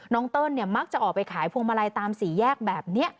เติ้ลมักจะออกไปขายพวงมาลัยตามสี่แยกแบบนี้